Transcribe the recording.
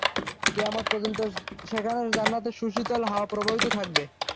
কিয়ামত পর্যন্ত সেখানে জান্নাতের সুশীতল হাওয়া প্রবাহিত থাকবে।